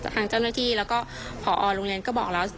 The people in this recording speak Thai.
ทางเจ้าหน้าที่แล้วก็พอโรงเรียนก็บอกแล้ว